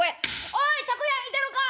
おいとくやんいてるか？」。